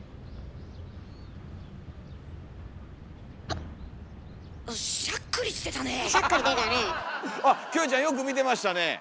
あっキョエちゃんよく見てましたねえ。